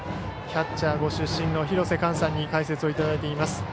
キャッチャーご出身の廣瀬寛さんに解説いただいています。